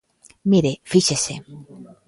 Mire, fíxese.